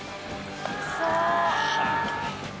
おいしそう。